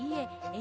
え！